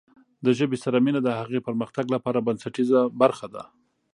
د ژبې سره مینه د هغې پرمختګ لپاره بنسټیزه برخه ده.